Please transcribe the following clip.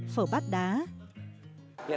phở bát đá